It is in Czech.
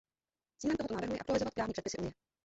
Cílem tohoto návrhu je aktualizovat právní předpisy Unie.